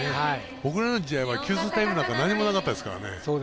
僕らの時代は給水タイムなんて何もなかったですからね。